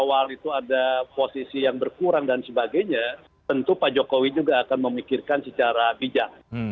awal itu ada posisi yang berkurang dan sebagainya tentu pak jokowi juga akan memikirkan secara bijak